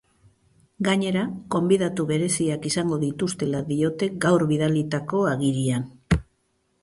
Gainera, gonbidatu bereziak izango dituztela diote gaur bidalitako agirian.